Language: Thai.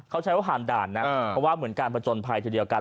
เขาใช้ว่าผ่านด่านนะเพราะว่าเหมือนการผจญภัยทีเดียวกัน